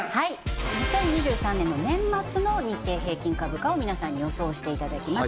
２０２３年の年末の日経平均株価を皆さんに予想していただきます